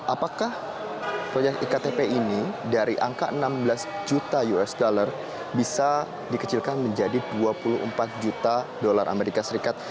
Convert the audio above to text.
apakah proyek iktp ini dari angka enam belas juta usd bisa dikecilkan menjadi dua puluh empat juta dolar amerika serikat